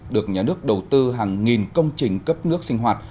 được nhà nước đầu tư hàng nghìn công trình cấp nước sinh hoạt